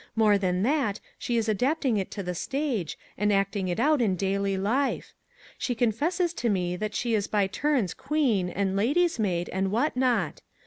More than that, she is adapting it to the stage, and acting it out in daily life. She confesses to me that she is by turns queen, and lady's maid, and what not